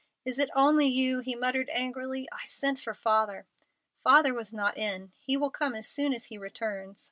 "Is it only you?" he muttered angrily. "I sent for Father." "Father was not in. He will come as soon as he returns.